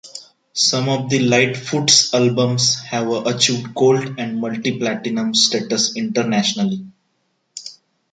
Some of Lightfoot's albums have achieved gold and multi-platinum status internationally.